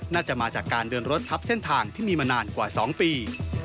น่าจะมาจากการเดินรถทับเส้นทางที่มีมานานกว่า๒ปี